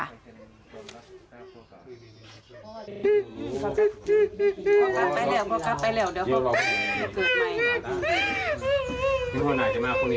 นางศรีพรายดาเสียยุ๕๑ปี